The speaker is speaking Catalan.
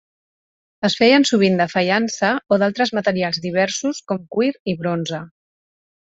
Es feien sovint de faiança, o d'altres materials diversos, com cuir i bronze.